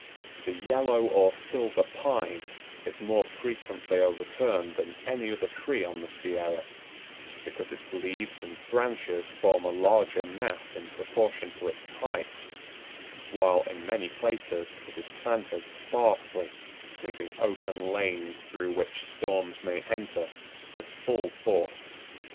The Yellow or Silver Pine is more frequently overturned than any other tree on the Sierra, because its leaves and branches form a larger mass in proportion to its height, while in many places it is planted sparsely, leaving open lanes through which storms may enter with full force.